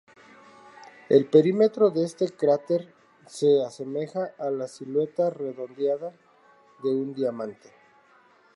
El perímetro de este cráter se asemeja a la silueta redondeada de un diamante.